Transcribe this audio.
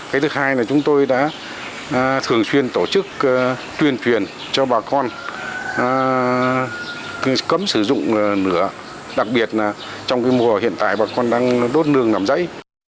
cái thứ hai là chúng tôi đã thường xuyên tổ chức tuyên truyền cho bà con cấm sử dụng lửa đặc biệt là trong mùa hiện tại bà con đang đốt nương làm rẫy